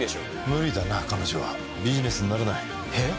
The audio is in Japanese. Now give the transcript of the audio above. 無理だな彼女はビジネスにならないえっ？